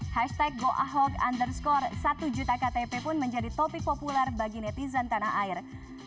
hashtag go ahok underscore satu juta ktp pun menjadi topik populer bagi netizen tanah air